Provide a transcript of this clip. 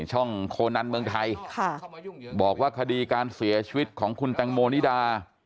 ช่องโคนันเมืองไทยบอกว่าคดีการเสียชีวิตของคุณแตงโมนิดา